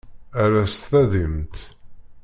Err-as tadimt.